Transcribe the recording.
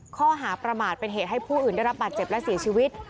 ข้อหาประมาทเป็นเหตุให้ผู้อื่นได้รับบาดเจ็บและเสียชีวิต